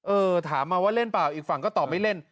เออถามมาว่าเล่นเปล่าอีกฝั่งก็ตอบไม่เล่น